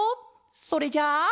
それじゃあ。